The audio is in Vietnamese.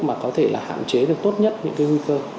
mà có thể là hạn chế được tốt nhất những cái nguy cơ